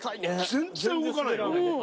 全然動かない。